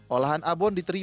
olahan abon diterima